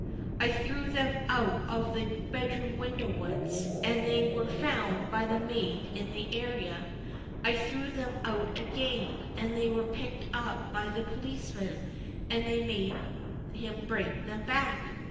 I threw them out of the bedroom window once, and they were found by the maid in the area. I threw them out again, and they were picked up by the policeman, and they made him bring them back.